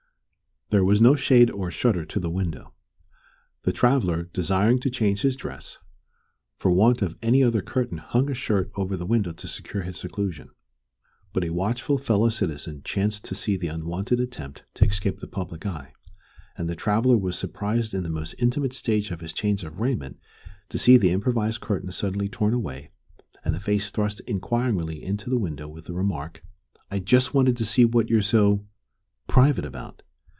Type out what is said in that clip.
There was no shade or shutter to the window. The traveller, desiring to change his dress, for want of any other curtain hung a shirt over the window to secure his seclusion. But a watchful fellow citizen chanced to see the unwonted attempt to escape the public eye, and the traveller was surprised in the most intimate stage of his change of raiment to see the improvised curtain suddenly torn away, and a face thrust inquiringly into the window with the remark, "I jess wanted to see what you're so private about."